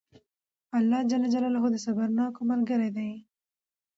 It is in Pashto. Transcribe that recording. الله جل جلاله د صبرناکو ملګری دئ!